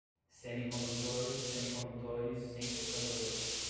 semicondutor, semicondutores, centrifugadora